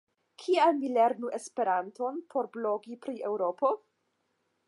Kial mi lernu Esperanton por blogi pri Eŭropo?